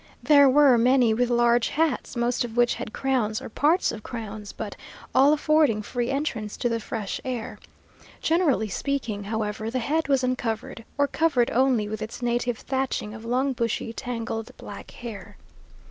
There were many with large hats, most of which had crowns or parts of crowns, but all affording free entrance to the fresh air. Generally speaking, how ever, the head was uncovered, or covered only with its native thatching of long, bushy, tangled black hair.